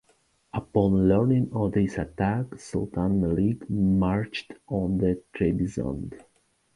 Upon learning of this attack, Sultan Melik marched on Trebizond.